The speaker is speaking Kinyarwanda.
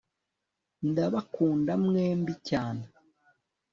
ndabakunda mwembi cyane